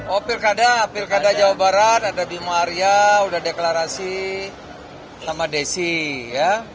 oh pilkada pilkada jawa barat ada bima arya udah deklarasi sama desi ya